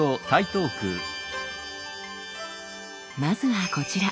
まずはこちら。